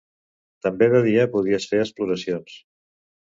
També de dia podies fer exploracions